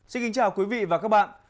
xin kính chào quý vị và các bạn